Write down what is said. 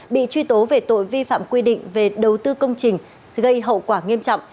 bị truy tố về tội vi phạm quy định về đầu tư công trình gây hậu quả nghiêm trọng